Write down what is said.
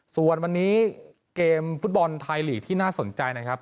ส่วนวันนี้เกมฟุตบอลไทยลีกที่น่าสนใจนะครับ